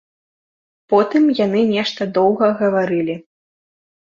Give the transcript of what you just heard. Потым яны нешта доўга гаварылі.